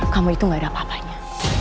kamu itu gak ada apa apanya